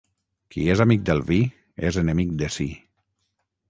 Qui és amic del vi és enemic de si.